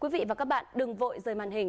quý vị và các bạn đừng vội rời màn hình